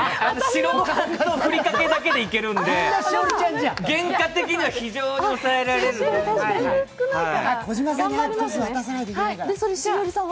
塩のふりかけだけでいけるんで、原価的には非常に抑えられると思う。